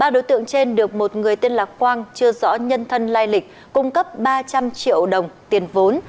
ba đối tượng trên được một người tên lạc quang chưa rõ nhân thân lai lịch cung cấp ba trăm linh triệu đồng tiền vốn